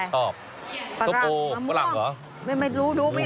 โอ้ชอบประกาศสโปรมะม่วงเหมือนไม่รู้ดูไม่ออก